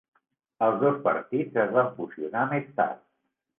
Els dos partits es van fusionar més tard.